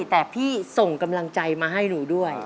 แต่พี่ส่งกำลังใจมาให้หนูด้วย